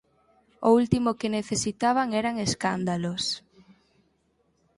O último que necesitaban eran escándalos.